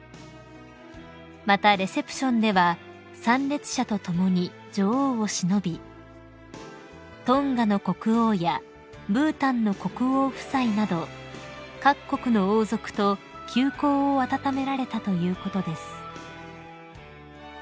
［またレセプションでは参列者と共に女王をしのびトンガの国王やブータンの国王夫妻など各国の王族と旧交を温められたということです］